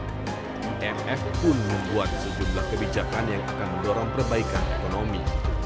imf pun membuat sejumlah kebijakan yang akan mendorong perbaikan ekonomi